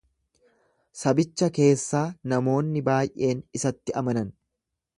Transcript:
Sabicha keessaa namoonni baay’een isatti amanan.